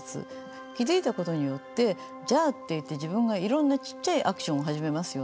気づいたことによって「じゃあ」って言って自分がいろんなちっちゃいアクションを始めますよね。